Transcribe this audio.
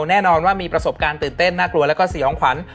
แน่นอนว่ามีประสบการณ์ตื่นเต้นน่ากลัวแล้วก็สยองขวัญ